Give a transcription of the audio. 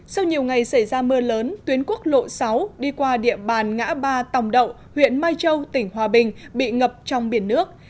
sau nhiều ngày xảy ra mưa lớn tuyến quốc lộ sáu đi qua địa bàn ngã ba tòng đậu huyện mai châu tỉnh hòa bình bị ngập trong biển nước